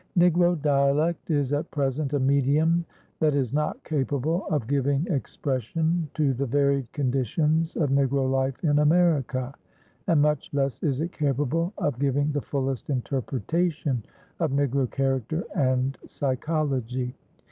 Negro dialect is at present a medium that is not capable of giving expression to the varied conditions of Negro life in America, and much less is it capable of giving the fullest interpretation of Negro character and psychology.